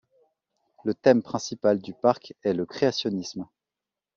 Le thème principal du parc est le créationnisme.